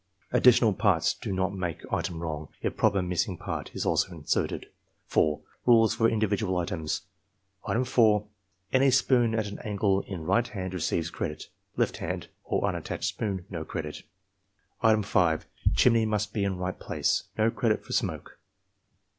Additional parts do not make item wrong, if proper missing part is also inserted. 4. Rules for individual items: Item 4' — ^Any spoon at any angle in right hand receives credit. Left hand, or xmattached spoon, no credit. 90 ARMY MENTAL TESTS Item 5, — Chimney must be in right place. No credit for smoke.